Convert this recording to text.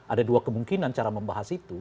ada dua kemungkinan cara membahas itu